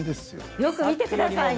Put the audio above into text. よく見てくださいね。